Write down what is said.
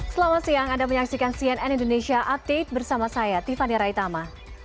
selamat siang anda menyaksikan cnn indonesia update bersama saya tiffany raitama